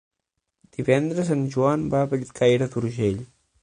Divendres en Joan va a Bellcaire d'Urgell.